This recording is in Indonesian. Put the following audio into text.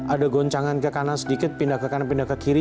ada goncangan ke kanan sedikit pindah ke kanan pindah ke kiri